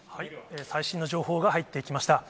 最新の情報が入ってきました。